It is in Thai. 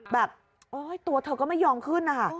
แบบตัวเธอก็ไม่ยอมขึ้น